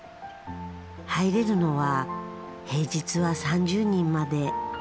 入れるのは平日は３０人まで。